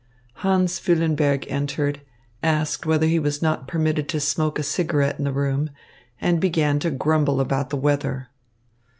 Hans Füllenberg entered, asked whether he was not permitted to smoke a cigarette in the room, and began to grumble about the weather.